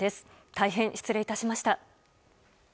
大変失礼いたしました。